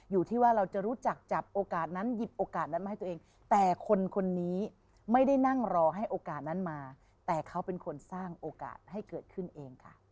อยู่ที่ว่าเราจะรู้จักจับโอกาสนั้นหยิบโอกาสนั้นมาให้ตัวเองแต่คนคนนี้ไม่ได้นั่งรอให้โอกาสนั้นมาแต่เขาเป็นคนสร้างโอกาสให้เกิดขึ้นเองค่ะ